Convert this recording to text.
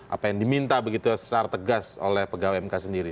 apa yang diminta begitu secara tegas oleh pegawai mk sendiri